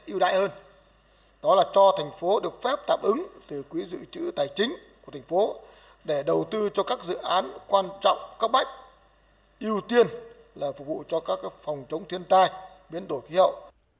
thứ hai là nhất trí với một số chính sách ưu đại hơn đó là cho thành phố được phép tạm ứng từ quỹ dự trữ tài chính của thành phố để đầu tư cho các dự án quan trọng các bách ưu tiên là phục vụ cho các phòng chống thiên tai biến đổi hiệu